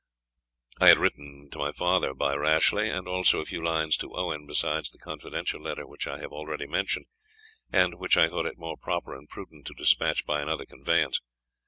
I had written to my father by Rashleigh, and also a few lines to Owen, besides the confidential letter which I have already mentioned, and which I thought it more proper and prudent to despatch by another conveyance.